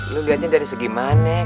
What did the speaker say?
lo liatnya dari segimana ya